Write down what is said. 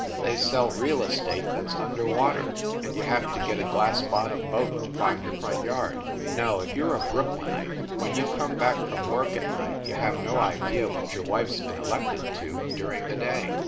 They sell real estate that s under water, and you have to get a glass bottomed boat to find your front yard. No, if you re a Brooklynite, when you come back from work at night you have no idea what your wife s been elected to, during the day.